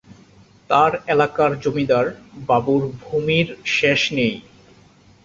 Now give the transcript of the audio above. তার এলাকার জমিদার বাবুর ভূমির শেষ নেই।